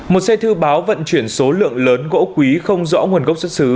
một xe thư báo vận chuyển số lượng lớn gỗ quý không rõ nguồn gốc xuất xứ